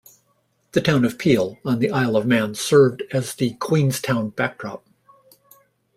The town of Peel on the Isle of Man served as the Queenstown backdrop.